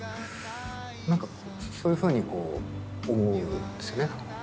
何かそういうふうに思うんですよね。